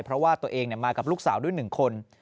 เพราะว่าตัวเองมากับลูกสาวด้วย๑คน